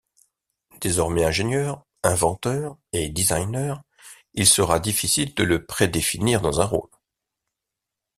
Désormais ingénieur, inventeur et designer, il sera difficile de le prédéfinir dans un rôle.